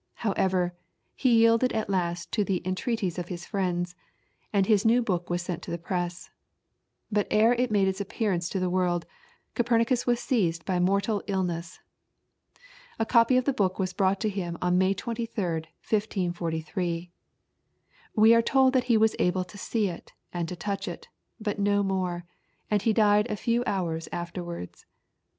However, he yielded at last to the entreaties of his friends, and his book was sent to the press. But ere it made its appearance to the world, Copernicus was seized by mortal illness. A copy of the book was brought to him on May 23, 1543. We are told that he was able to see it and to touch it, but no more, and he died a few hours afterwards.